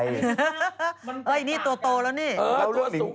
อย่างนี้ตัวโตแล้วนี่